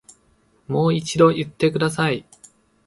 もう一度言ってください